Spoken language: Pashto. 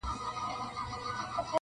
واك ضرور دئ د نااهلو حاكمانو -